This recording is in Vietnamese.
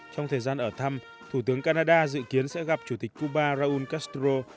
trong thời gian ở thăm thủ tướng canada dự kiến sẽ gặp chủ tịch cuba raúl castro